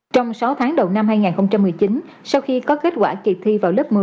trong sáu tháng đầu năm hai nghìn một mươi chín sau khi có kết quả kỳ thi vào lớp một mươi